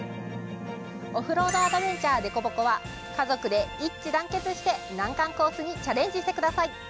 オフロードアドベンチャーＤＥＫＯＢＯＫＯは家族で一致団結して難関コースにチャレンジしてください。